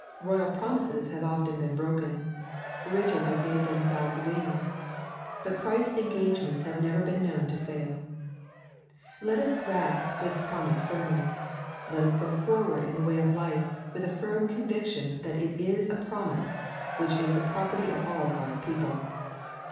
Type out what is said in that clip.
Eoyal promises have often been broken. Eiches have made themselves wings. But Christ's engagements have never been known to fail Let us grasp this promise firmly. Let us go forward in the way of life with a firm conviction that it is a promise which is the property of all God's people.